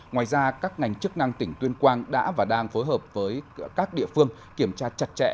ngoài ra các ngành chức năng tỉnh tuyên quang đã và đang phối hợp với các địa phương kiểm tra chặt chẽ